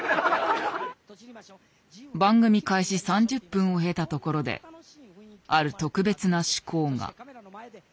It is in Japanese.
番組開始３０分を経たところである特別な趣向が。